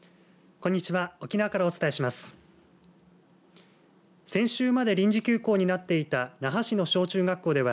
こんにちは。